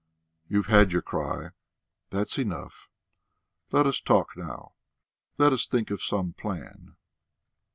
"You've had your cry; that's enough.... Let us talk now, let us think of some plan."